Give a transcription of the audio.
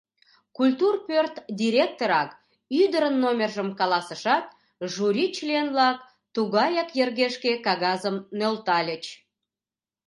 Культур пӧрт директорак ӱдырын номержым каласышат, жюри член-влак тугаяк йыргешке кагазым нӧлтальыч.